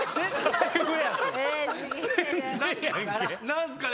何すかね？